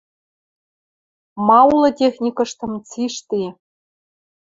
Ма улы техникыштым цишти